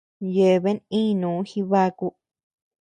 Yeabean ínuu jibaku.